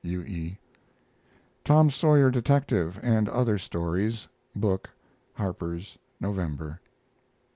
U. E. TOM SAWYER, DETECTIVE, and other stories book (Harpers), November.